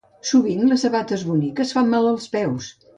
Sovint, les sabates boniques fan mals als peus.